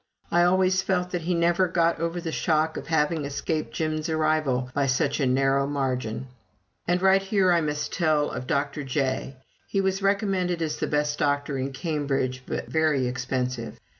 I always felt that he never got over the shock of having escaped Jim's arrival by such a narrow margin. And right here I must tell of Dr. J . He was recommended as the best doctor in Cambridge, but very expensive.